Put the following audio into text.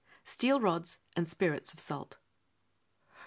Steel Rods and Spirits of Salt.